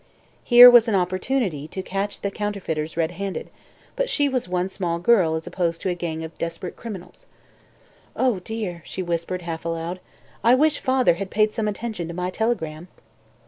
Here was an opportunity to catch the counterfeiters redhanded, but she was one small girl as opposed to a gang of desperate criminals. "Oh, dear!" she whispered, half aloud, "I wish father had paid some attention to my telegram."